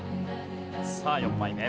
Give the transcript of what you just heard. さあ４枚目。